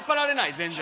全然。